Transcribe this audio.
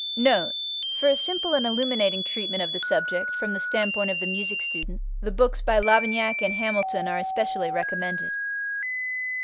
NOTE: For a simple and illuminating treatment of the subject from the standpoint of the music student, the books by Lavignac and Hamilton are especially recommended.